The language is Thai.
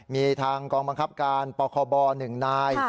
มีทางกองบังคับการปคบ๑นาย